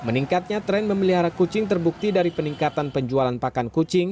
meningkatnya tren memelihara kucing terbukti dari peningkatan penjualan pakan kucing